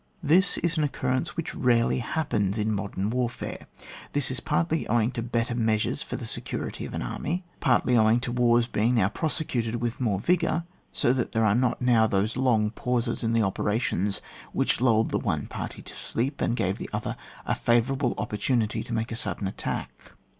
This is an occurrence which rarely happens in modem warfare. This is partly owing to better measures for the security of an army; partly owing to wars being now prosecuted with more vigour, so that there are not now those long pauses in the operations which lulled the one party to sleep, and gave the other a favourable opportunity to make a sud den attack.